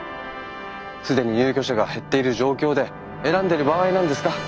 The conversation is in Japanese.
既に入居者が減っている状況で選んでる場合なんですか？